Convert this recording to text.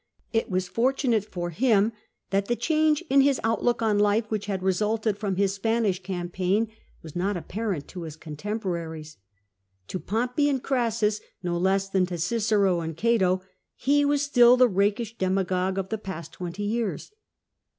It was fortunate for him that the change in his outlook on life, which had resulted from his Spanish campaign, was not apparent to his contemporaries. To Pompey and Crassus, no less than to Cicero and Cato, he was still the rakish demagogue of the past twenty years.